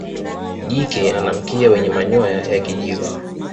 jike ana mkia wenye manyoya ya kijivu